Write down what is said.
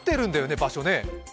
場所ね？